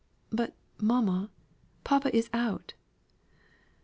"But, mamma, papa is out."